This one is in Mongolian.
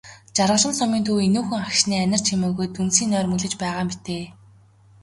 Жаргалан сумын төв энүүхэн агшны анир чимээгүйд дүнсийн нойрмоглож байгаа мэтээ.